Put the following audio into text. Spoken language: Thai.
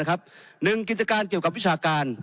กิจการเกี่ยวกับวิชาการ